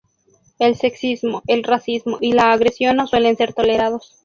El sexismo, el racismo y la agresión no suelen ser tolerados.